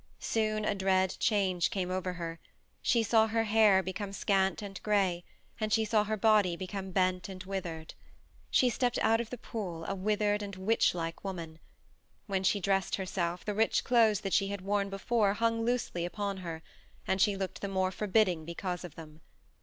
Soon a dread change came over her: she saw her hair become scant and gray, and she saw her body become bent and withered. She stepped out of the pool a withered and witchlike woman; when she dressed herself the rich clothes that she had worn before hung loosely upon her, and she looked the more forbidding because of them.